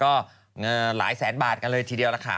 ก็หลายแสนบาทกันเลยทีเดียวล่ะค่ะ